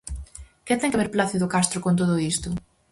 Que ten que ver Plácido Castro con todo isto?